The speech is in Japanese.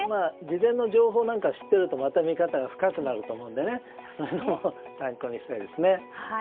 事前の情報なんかを知ってるとまた見方が深くなると思うので参考にしたいですね。